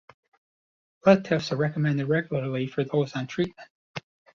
Blood tests are recommended regularly for those on treatment.